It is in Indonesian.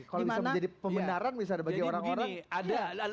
kalau bisa menjadi pembendaran bisa dibagi orang orang